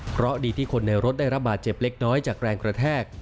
เพราะดีที่คนในรถได้รับบาดเจ็บเล็กน้อยจากแรงกระแทก